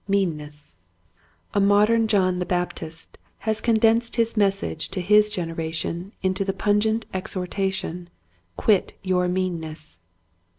XX. Meanness, A MODERN John the Baptist has con densed his message to his generation into the pungent exhortation " Quit your meanness."